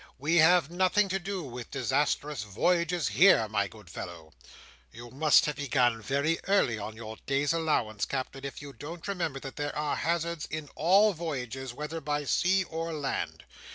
We have nothing to do with disastrous voyages here, my good fellow. You must have begun very early on your day's allowance, Captain, if you don't remember that there are hazards in all voyages, whether by sea or land.